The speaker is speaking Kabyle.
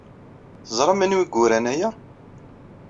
Teẓram anwa ay yuran aya?